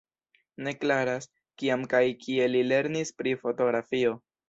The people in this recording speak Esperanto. Ne klaras, kiam kaj kie li lernis pri fotografio.